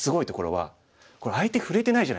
はい。